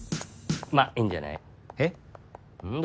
まあいいんじゃない？えっ？ん？